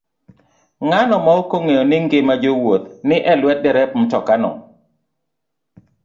Ng'ano maok ong'eyo ni ngima jowuoth ni e lwet derep mtokano?